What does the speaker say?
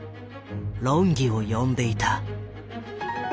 論議を呼んでいた。